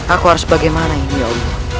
aku harus bagaimana ini ya allah